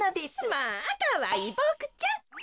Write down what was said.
まあかわいいボクちゃん。